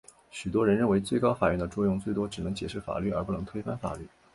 许多人认为最高法院的作用最多只能解释法律而不能推翻法律。